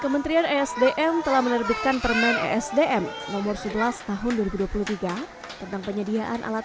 kementerian esdm telah menerbitkan permen esdm nomor sebelas tahun dua ribu dua puluh tiga tentang penyediaan alat